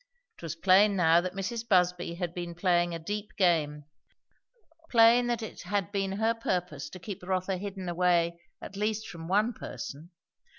It was plain now that Mrs. Busby had been playing a deep game; plain that it had been her purpose to keep Rotha hidden away at least from one person.